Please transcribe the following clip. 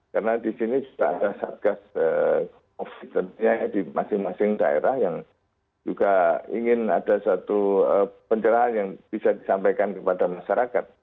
karena di sini sudah ada satgas opsi tentunya di masing masing daerah yang juga ingin ada satu pencerahan yang bisa disampaikan kepada masyarakat